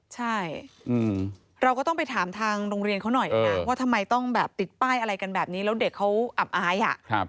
ใช่เราก็ต้องไปถามทางโรงเรียนเขาหน่อยนะว่าทำไมต้องแบบติดป้ายอะไรกันแบบนี้แล้วเด็กเขาอับอาย